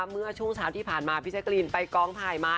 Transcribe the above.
เมื่อช่วงเช้าที่ผ่านมาพี่แจกรีนไปกองถ่ายมา